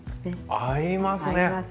合いますよね。